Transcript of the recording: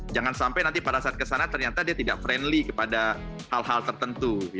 jangan sampai nanti pada saat kesana ternyata dia tidak friendly kepada hal hal tertentu